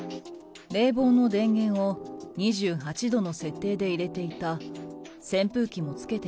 冷房の電源を２８度の設定で入れていた。